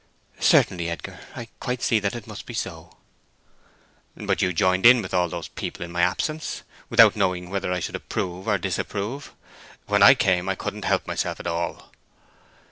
"Certainly, Edgar—I quite see that it must be so." "But you joined in with all those people in my absence, without knowing whether I should approve or disapprove. When I came I couldn't help myself at all."